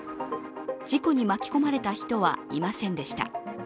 事故に巻き込まれた人はいませんでした。